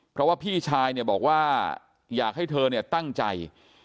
เพราะว่าพี่ชายบอกว่าอยากให้เธอตั้งใจ